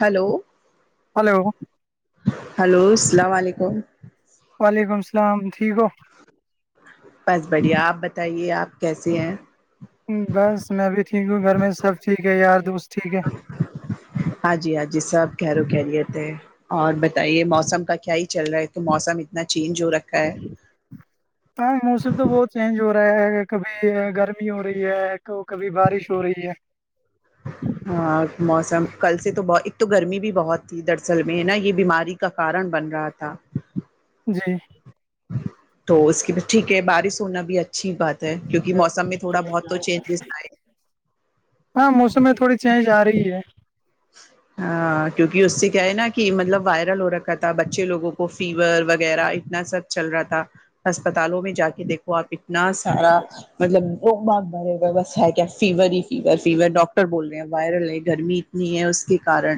hello hello hello اسلام علیکم وعلیکم اسلام ٹھیک ہو بس بڑھیا آپ بتائیے آپ کیسے ہیں بس میں یھی ٹھیک ہوں گھر میں سب ٹھیک ہے یار دوست ٹھیک ہے ہاں جی ہاں جی سب کھیر و کھیریت ہے اور بتائیے موسم کا کیا ہی چل رہا ہے تو موسم اتنا چینج ہو رکھا ہے ہاں موسم تو بہت چینج ہو رہا ہے اگر کبھی گرمی ہو رہی ہے تو کبھی بارش ہو رہی ہے ہاں موسم کل سے تو ب ایک تو گرمی بھی بہت تھی دراصل میں ہے نا یہ بیماری کا کارن بن رہا تھا جی تو اس کی بھی ٹھیک ہے بارش ہونا بھی اچھی بات کیونکہ موسم میں تھوڑا بہت تو چینجیز آئے ہاں موسم میں تھوڑی چینج آ رہی ہے [inaudible] ہاں کیونکہ اس سے کیا ہے نا مطلب وائرل ہو رکھا تھا بچے لوگوں کو فیور وغیرہ اتنا سب چل رہا تھا اسسپتالوں میں جا کے دیکھو آپ اتنا سارا مطلب وہ بگ بھرے بس ہے کیا فیور ہی فیور فیور ڈاکٹر بول رہے ہیں وائرل ہے گرمی نی ہے اس کی کارن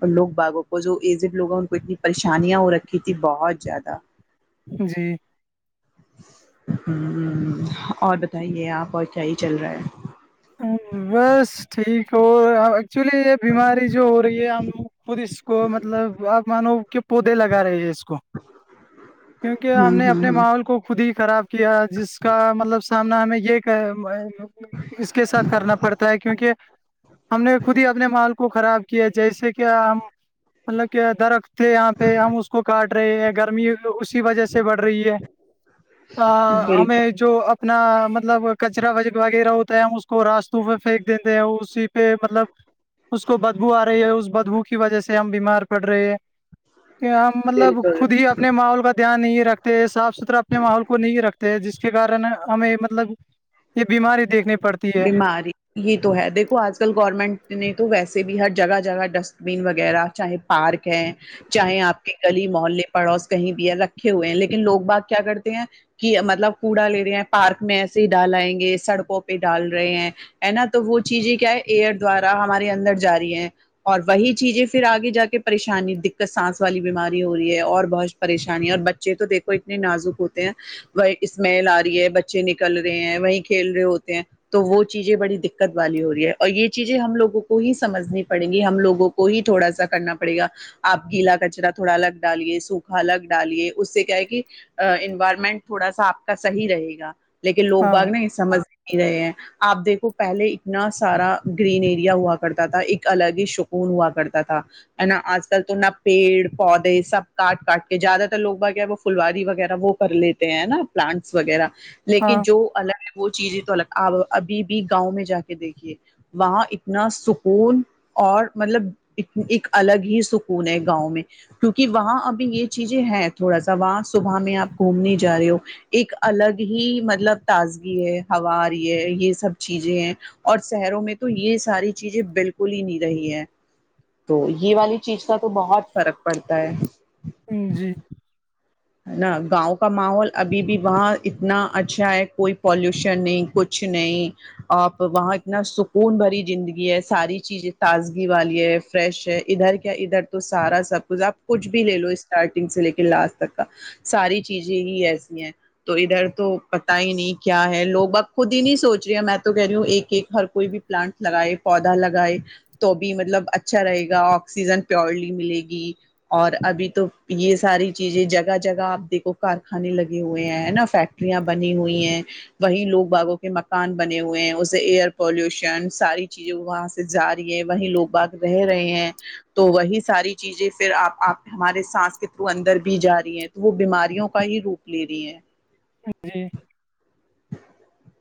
اور لوگ باغوں کو جو ایجڈ لوگوں کو اتنی پریشانیاں ہو رکھی تھی بہت زیادہ جی ہوں اور بتائیے آپ اور کیا ہی چل رہا ہے بس ٹھیک ہو ایکچولی یہ بیماری جو ہو رہی ہے ہم لوگ خود اس کو مطلب آپ مانو کہ پودے لگا رہے ہیں اس کو کیونکہ ہم ہ نے ہ اپنے ہ ماحول کو خود ہی خراب کیا جس کا مطلب سامنا یہ کہے ہم اس کے ساتھ کرنا پڑتا ہے کیونکہ ہم نے خود ہی اپنے ماحول کو خراب کیا جیسے کہ ہم مطلب کہ درخت تھے یہاں پہ ہم اس کو کاٹ رہے ہیں گرمی اسی وجہ سے سے بڑھ رہی ہے ا بالکل ہمیں جو اپنا مطلب کچرا و وغیرہ ہوتا ہے ہم اس کو راستوں پہ پھینک دیتے ہیں اسی پہ مطلب اس کو بدبو آ رہی ہے اس بدبو کی وجہ سے ہم بیمار پڑ رہے ہیں کہ ہم مطلب بالکل خود ہی اپنے ماحول کا دھیان نہیں رکھتے صاف ستھرا اپنے ماحول کو نہیں رکھتے ہیں جس کے کارن ہمیں مطلب یہ بیماری دیکھنے بیماری یہ تو ہے دیکھو آج کل گورنمنٹ نے تو ویسے بھی ہر جگہ جگہ ڈسٹ بین وغیرہ چاہے پارک ہے چاہیں آپ کے گلی محلے پڑوس کہیں بھی ہے رکھے ہوئے ہیں لیکن لوگ بات کیا کرتے ہیں کہ مطلب کوڑا لے رہے ہیں پارک میں ایسے ہی ڈال آیینگے سڑکوں پہ ڈال رہے ہیں ہے نا تو وہ چیزیں کیا ہے ایئر دوارا ہمارے اندر جاری ہے اور وہی چیزیں پھر آگے جا کے پریشانی دقت سانس والی بیماری ہو رہی ہے اور بہت پریشانی اور بچے تو دیکھو اتنے نازک ہوتے ہیں وہیں اسمیل آ رہی ہے بچے نکل رہے ہیں وہی کھیل رہے ہوتے ہیں تو وہ چیزیں بڑی دقت والی ہو رہی ہے اور یہ چیزیں ہم لوگوں کو ہی سمجھنی پڑیں گی ہم لوگوں کو کو ہی تھوڑا سا کرنا پڑے گا آپ گیلا کچرا تھوڑا الگ ڈالیے سوکھا الگ ڈالیے اس سے کیا ہے کہ انوائرمنٹ تھوڑا سا آپ کا صحیح رہے گا لیکن لوگ ہاں بات نا سمجھ ہی نہیں رہے ہیں آپ دیکھو پہلے اتنا سارا گرین ایریا ہوا کرتا تھا ایک الگ ہی سکون ہوا کرتا تھا ہے نا آج کل تو نا پیڑ پودے سب کاٹ کاٹ کے زیادہ تر لوگ کا کیا وہ فلواری وغیرہ وہ کر لیتے ہیں نا پلانٹس وغیرہ لیکن ہاں جو الگ وہ چیزیں آپ ابھی بھی گاؤں میں جا کے دیکھیے وہاں اتنا سکون اور مطلب ایک الگ ہی سکون ہے گاؤں میں کیونکہ وہاں ابھی یہ چیزیں ہے تھوڑا سا وہاں صبح میں آپ گھومنے جا رہے ہو ایک الگ ہی مطلب تازگی ہے ہوا آ رہی ہے یہ سب چیزیں ہیں اور شہروں میں تو یہ ساری چیزیں بالکل ہی نہیں رہی ہے تو یہ والی چیز کا تو بہت فرق پڑتا ہے ہم جی ہے نا گاؤں کا ماحول ابھی بھی وہاں اتنا اچھا ہے کوئی پالوشن نہیں کچھ کچھ نہیں آپ وہاں اتنا سکون بھری زندگی ہے ساری چیزیں تازگی والی ہے فریش ہے ادھر کیا ادھر تو سارا سب کچھ آپ کچھ بھی لے لو اسٹارٹنگ سے لے کے لاسٹ ساری چیزیں ہی ایسی ہیں تو ادھر تو پتا ہی نہیں کیا ہے لوگ اب خود ہی نہیں سوچ رہے میں تو کہہ رہی ہوں ایک ایک ہر کوئی بھی پلانٹس لگائے پودا لگائے تو بھی مطلب اچھا رہے گا آکسیجن پیورلی ملے گی اور ابھی تو یہ ساری چیزیں جگہ جگہ آپ دیکھو کارخانے لگے ہوئے ہیں نا فیکٹریاں بنی ہوئی ہیں وہی لوگ باغوں کے مکان بنے ہوئے ہیں اسے ایئر پولوشن ساری چیزیں وہاں جا رہی ہے وہیں لوگ بھاگ رہ رہے ہیں تو وہی ساری چیزیں پھر آپ اپ ہمارے سانس کے تھرو اندر بھی جا رہی ہے تو وہ بیماریوں کا ہی روپ لے رہی ہیں جی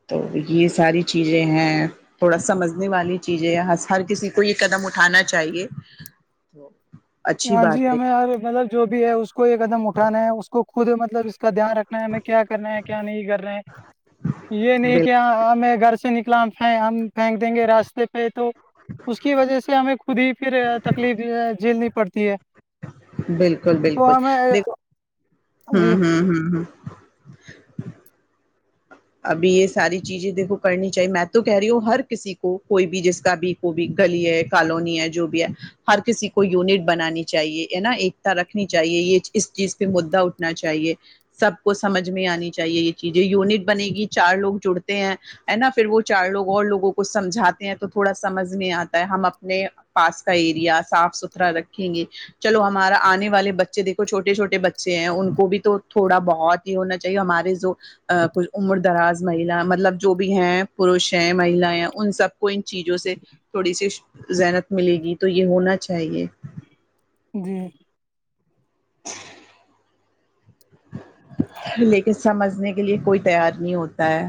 تو یہ ساری چیزیں ہیں تھوڑا سمجھنے والی چیزیں ہر کسی کو یہ قدم اٹھانا چاہیے تو اچھی ہاں جی بات ہے ہمیں مطلب جو بھی ہے اس کو یہ قدم اٹھانا ہے کو خود مطلب اس کا دھیان رکھنا ہے ہمیں کیا کرنا ہیں کیا نہیں کرنا ہیں یہ نہیں کہ بالکل ہمیں گھر سے نکلا ہم پھینک دیں گے راستے پہ تو اس کی وجہ سے ہمیں خود ہی پھر تکلیف جھیلنی پڑتی ہے بالکل تو بالکل ہمیں دیکھو ہاں جی ہاں ہاں ہ ابھی یہ ساری چیزیں دیکھو کرنی چاہیے میں تو کہہ رہی ہوں ہر کسی کو کوئی بھی جس کا بھی وہ بھی گلی ہے کالونی ہے جو بھی ہے ہر کسی کو یونٹ بنانی چاہیے ہے نا ایکتا رکھنی چاہیے یہ اس چیز پہ مدعا اٹھنا چاہیے سب کو سمجھ میں آنی چاہیے یہ چیزیں یونٹ بنے گی چار لوگ جڑتے ہیں ہے نا پھر وہ چار لوگ اور لوگوں کو سمجھاتے ہیں تو تھوڑا سمجھ میں آتا ہے ہم اپنے پاس کا ایریا صاف ستھرا رکھیں گے چلو ہمارا آنے والے بچے دیکھو چھوٹے چھوٹے بچے ہیں ان کو بھی تو تھوڑا بہت یہ ہونا چاہیے ہمارے جو ک عمر دراز مہیلا مطلب جو بھی ہیں پروش ہیں مہیلا ہیں ان سب کو ان چیزوں سے تھوڑی سی زحنت ملے گی تو یہ ہونا چاہیے جی لیکن سمجھنے کے لیے کوئی تیار نہیں ہوتا ہے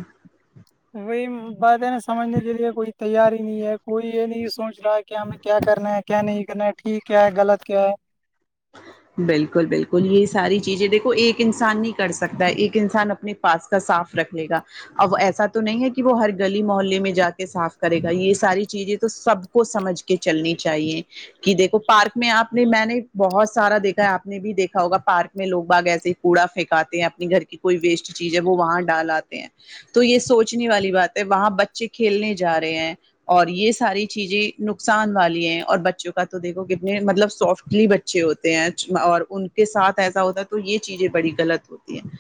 وہی بات ہے نا سمجھنے کے لیے کوئی تیاری ہی نہیں ہے کوئی یہ نہیں سوچ رہا کہ ہمیں کیا کر کرنا ہے کیا نہیں کرنا ٹھیک کیا ہے غلط کیا ہے بالکل بالکل یہی ساری چیزیں دیکھو ایک انسان نہیں کر سکتا ایک انسان اپنے پاس کا صاف رکھ لے گا اب ایسا تو نہیں ہے کہ وہ ہر گلی محلے میں جا کے صاف کرے گا یہ ساری چیزیں تو سب کو سمجھ کے کہ چلنی چاہیے کہ دیکھو پارک میں آپ نے میں نے بہت سارا دیکھا ہے آپ نے بھی دیکھا ہوگا پارک میں لو گ باگ ایسے ہی کوڑا پھینکاتے ہیں اپنی گھر کی کوئی ویسٹ چیز ہے وہ وہاں ڈال آتے ہیں تو یہ سوچنے والی بات ہے وہاں بچے کھیلنے جا رہے ہیں اور یہ ساری چیزیں نقصان والی ہیں اور بچوں کا تو دیکھو کتنے مطلب سو فٹلی بچ بچے ہوتے ہیں اور ان کے ساتھ ایسا ہوتا ہے تو یہ چیزیں بڑی غلط ہوتی ہیں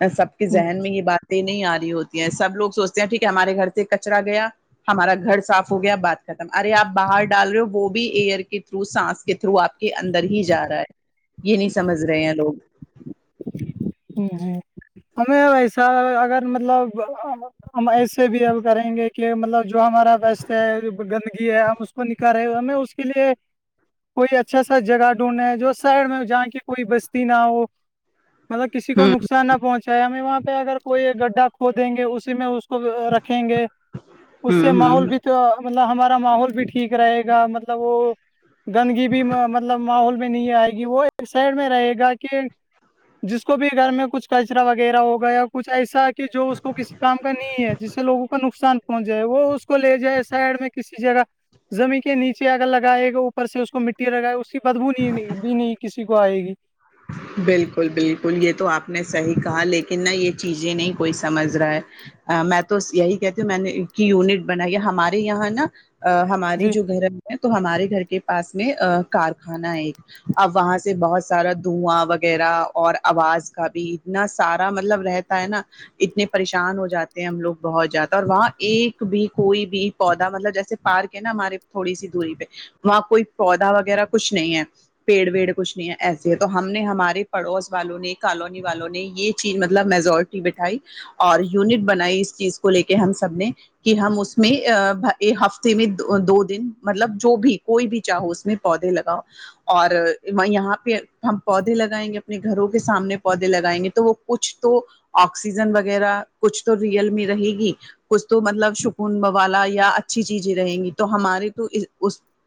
ا سب کے ہے ذہن میں یہ بات یں نہیں آ رہی ہوتی ہیں سب لوگ سوچتے ہیں ٹھیک ہے ہمارے گھر سے کچرا گیا ہمارا گھر صاف ہو گیا بات ختم ارے آپ باہر ڈال رہے ہو وہ بھی ایئر کے تھرو سانس کے تھرو آپ کے اندر ہی جا رہا ہے یہ نہیں سمجھ رہے ہیں لوگ ہ ہ ہمیں ویسا اگر مطلب ہم ایسے بھی اب کریں گے کہ مطلب جو ہمارا وست ہے گندگی ہے ہم اس کو نکالے ہمیں اس کے لیے کوئی اچھا سا جگہ ڈھونڈیں جو شہر میں جہاں کی کوئی بستی نہ ہو مطلب کسی کو ہوں نقصان نہ پہنچا ہمیں وہاں پہ اگر کوئی گڈھا کھو دیں گے اسی میں اب رکھیں گے اس سے ہوں ہوں ماحول بھی تو مطلب ہمارا ماحول بھی ٹھیک رہے گا مطلب وہ گندگی بھی مطلب ماحول میں نہیں آئے گی وہ ایک سائڈ میں رہے گا کہ جس کو بھی گھر میں کچھ کچرا وغیرہ ہوگیا یا کچھ ایسا ہے کہ جو اس کو کس کام کا نہیں ہے جس سے لوگوں نقصان پہنچ جائے وہ اس کو لے جائے سائڈ میں کسی جگہ زمین کے نیچے اگر لگائے اوپر سے اس کو مٹی لگائے اس کی بدبو نہیں بھی نہیں کسی کو آئے گی بالکل بالکل یہ تو آپ نے صحیح کہا لیکن نہ یہ چیزیں نہیں کوئی سمجھ رہا ہے میں تو یہی کہتی ہوں میں نے کی یونٹ بنائی ہمارے یہاں نا ا ہماری جی جو گھر ہے تو ہمارے گھر کے پاس میں ا کارخانہ ہے ایک اب وہاں سے بہت سارا دھواں وغیرہ اور آواز کا بھی اتنا سارا مطلب رہتا ہے نا اتنے پریشان ہو جاتے ہیں ہم لوگ بہت جیادہ اور وہاں ایک بھی کوئی بھی پودا مطلب جیسے پارک ہے نا ہمارے تھوڑی سی دوری پہ وہاں کوئی پودا وغیرہ کچھ نہیں ہے پیڑ ویڑ کچھ نہیں ہے ایسا تو ہم نے ہمارے پڑوس والوں نے کالونی والوں نے یہ چیز مطلب میجورٹی بٹھائی اور یونٹ بنائی اس چیز کو لے کے ہم سب نے کہ ہم اس میں ہفتے میں دو دن مطلب جو بھی کوئی بھی چاہو اس میں پودے لگاؤ اور میں یہاں پہ ہم پودے لگائیں گے اپنے گھروں کے سامنے پودے لگائیں گے تو وہ کچھ تو آکسیجن وغیرہ کچھ تو ریئل میں رہے گی کچھ تو مطلب شکون بوالا یا اچھی چیزیں رہیں گی تو ہمارے تو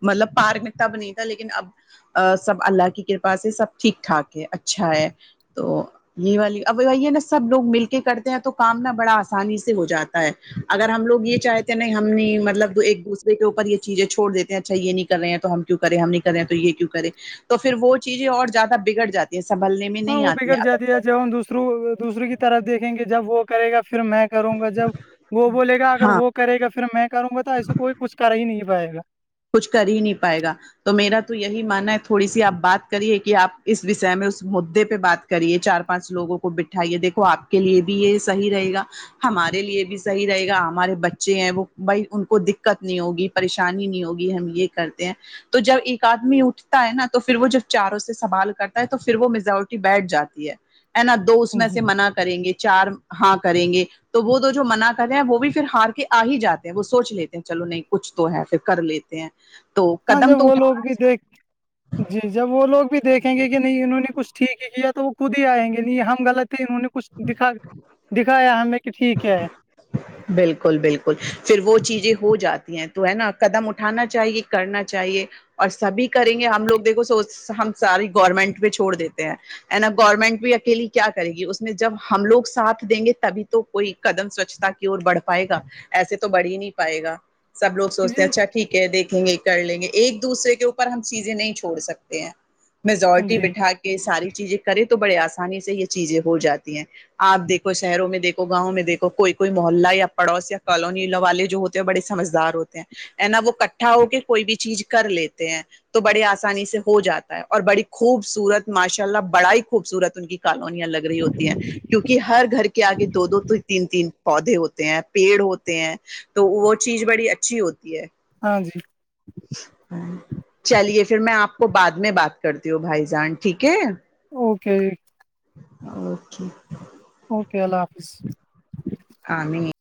مطلب پارک میں تب نہیں تھا لیکن اب سب اللہ کی کرپ کرپا سے سب ٹھیک ٹھاک ہے اچھا ہے تو یہ والی اب بھائی ہے نا سب لوگ مل کے کرتے ہیں تو کام نا بڑا آسانی سے ہو جاتا ہے اگر ہم لوگ یہ چاہے تے ہیں نہیں ہم نہیں مطلب ایک دوسرے کے اوپر یہ چیزیں چھوڑ دیتے ہیں اچھا یہ نہیں کر رہے ہیں تو ہم کیوں کرے ہم نہیں کررہے تو یہ کیوں کریں تو پھر وہ چیزیں اور زیادہ بگڑ جاتی یہ سنبلنے میں ہاں نہیں وہ آتی بگڑ ہیں جاتی ہے جب ہم دوسروں دوسرے کی طرف دیکھیں گے جب وہ کرے گا فر میں کروں گا جب وہ بولے گا اگر ہاں وہ کرے گا فر میں کروں گا تو ایسے کوئی کچھ کر ہی نہیں پائے گا کچھ کر ہی نہیں پائے گا تو میرا تو یہی ماننا ہے تھوڑی سی آپ بات کریے کہ آپ اس وشے میں اس مدے پہ بات کریے چار پانچ لوگوں کو بٹھائیے دیکھو آپ کے لیے بھی یہ صحیح رہے گا ہمارے لیے بھی صحیح رہے گا ہمارے بچے ہیں وہ بھائی ان کو دقت نہیں ہوگی پریشانی نہیں ہوگی بھی ہم یہ کرتے ہیں تو جب ایک آدمی اٹھتا ہے نا تو پھر وہ جب چاروں سے سوال کرتا ہے تو پھر وہ میزورٹی بیٹھ جاتی ہے ہے نا دو اس میں جی سے منع کریں گے چار ہاں کریں گے تو وہ تو جو منع کرے ہیں وہ بھی پھر ہار کے آ ہی جاتے ہیں وہ سوچ لیتے ہیں چلو نہیں کچھ تو ہے پھر کر لیتے تے ہے ہاں جو وہ لوگ بھی دیکھتے جی جب وہ لوگ بھی دیکھیں گے کہ نہیں انہوں نے کچھ ٹھیک ہی کیا تو وہ خود ہی آئیں گے نہیں ہم غلط انہوں نے کچھ دکھا دکھایا ہمیں کہ ٹھیک ہے بالکل بالکل پھر وہ چیزیں ہو جاتی ہیں تو ہے نا قدم اٹھانا چاہیے کرنا چاہیے اور سبھی کریں گے ہم لوگ دیکھو سو ہم ساری گورنمنٹ پہ چھوڑ دیتے ہیں ہے نا گورنمنٹ بھی اکیلی کیا کرے گی اس میں جب ہم لوگ ساتھ دیں گے تبھی تو کوئی قدم سوچھتا کے اور بڑھ پائے گا ایسے تو بڑھ ہی نہیں پائے گا سب لوگ سوچتے ہیں جی اچھا ٹھیک ہے دیکھیں گے کر لیں گے ایک دوسرے کے اوپر ہم چیزیں نہیں چھوڑ سکتے ہیں میزورٹی جی بٹھا کے ساری چیزیں کرے تو بڑے آسانی سے یہ چیزیں ہو جاتی ہیں آپ دیکھو شہروں میں دیکھو گاؤں میں دیکھو کوئی کوئی محلہ یا پڑوس یا کالونی والے جو ہوتے ہیں وہ بڑے سمجدار ہوتے ہیں نا وہ کٹ اٹھا ہو کے کوئی بھی چیز کر لیتے ہیں تو بڑے آسانی سے ہو جاتا ہے اور بڑی خوبصورت ماشاء اللہ بڑا ہی خوبصورت ان کی کالونیاں لگ رہی ہوتی ہیں کیونکہ ہر گھر کے آگے دو دو تین تین پودے ہوتے ہیں پیڑ ہوتے ہیں تو وہ چیز بڑی اچھی ہوتی ہے ہاں جی ہمم چلیے پھر میں آپ کو بعد میں بات کرتی ہوں بھائی جان ٹھیک ہے اوکے اوکے اوکے اللہ حافظ امین